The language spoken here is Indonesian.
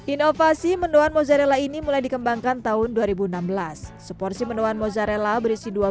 inovasi mendoan mozzarella ini mulai dikembangkan tahun dua ribu enam belas seporsi mendoan mozzarella berisi dua